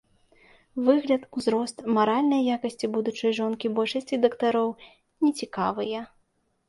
Выгляд, узрост, маральныя якасці будучай жонкі большасці дактароў не цікавыя.